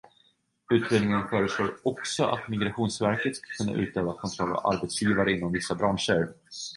Utredningen föreslår också att Migrationsverket ska kunna utöva kontroll av arbetsgivare inom vissa branscher.